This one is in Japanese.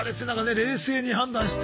冷静に判断して。